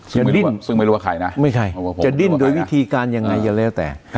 ซึ่งไม่รู้ว่าใครนะไม่ใครจะดิ้นโดยวิธีการยังไงอย่าแล้วแต่